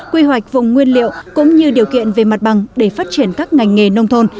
quy hoạch vùng nguyên liệu cũng như điều kiện về mặt bằng để phát triển các ngành nghề nông thôn